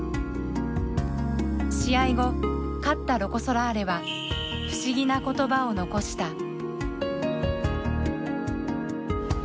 試合後勝ったロコ・ソラーレは不思議な言葉を残した。